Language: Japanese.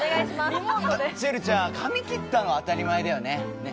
チェルちゃん、髪切ったの当たり前だよね。